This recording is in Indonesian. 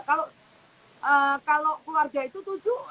kalau keluarga itu tidak